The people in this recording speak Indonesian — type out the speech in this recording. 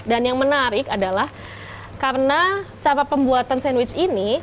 dan yang menarik adalah karena cara pembuatan sandwich ini